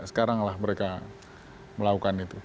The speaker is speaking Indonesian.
sekarang lah mereka melakukan itu